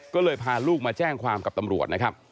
ก็เลยพาลูกมาแจ้งความกับตำรวจนะครับ